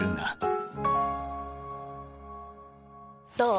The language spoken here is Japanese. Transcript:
どう？